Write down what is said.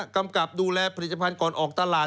กำกับดูแลผลิตภัณฑ์ก่อนออกตลาด